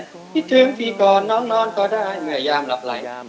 ต้องคิดถึงพี่ก่อนน้องนอนก็ได้